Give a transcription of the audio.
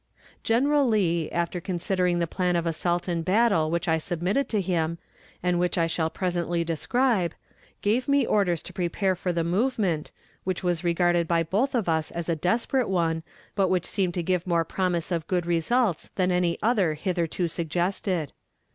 "General Lee, after considering the plan of assault and battle which I submitted to him, and which I shall presently describe, gave me orders to prepare for the movement, which was regarded by both of us as a desperate one, but which seemed to give more promise of good results than any other hitherto suggested.